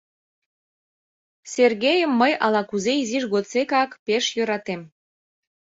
Сергейым мый ала-кузе изиж годсекак пеш йӧратем.